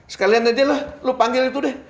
sekalian aja lu panggil itu deh